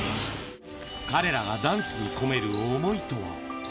彼らがダンスに込める想いとは。